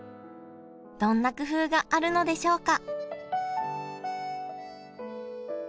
どんな工夫があるのでしょうか？